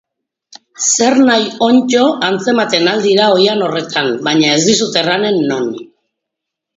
Zernahi onddo atzematen ahal dira oihan horretan, baina ez dizut erranen non.